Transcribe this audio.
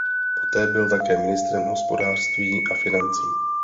Poté byl také ministrem hospodářství a financí.